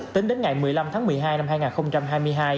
tính đến ngày một mươi năm tháng một mươi hai năm hai nghìn hai mươi hai